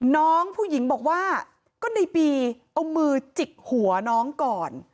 น้องผู้หญิงบอกว่าก็ในบีเอามือจิกหัวน้องก่อน